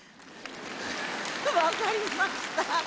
分かりました。